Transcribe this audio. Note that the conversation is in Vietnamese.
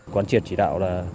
quán triệt chỉ đạo là